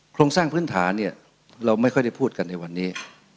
โครงสร้างพื้นฐานเนี่ยเราไม่ค่อยได้พูดกันในวันนี้